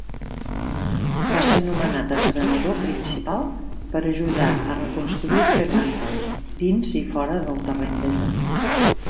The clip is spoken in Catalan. Va ser nomenat entrenador principal per ajudar a reconstruir Fremantle dins i fora del terreny de joc.